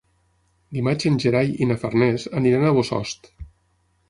Dimarts en Gerai i na Farners aniran a Bossòst.